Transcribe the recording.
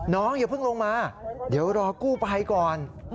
อย่าเพิ่งลงมาเดี๋ยวรอกู้ภัยก่อน